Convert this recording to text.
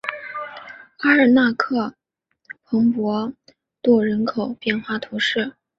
阿尔纳克蓬帕杜人口变化图示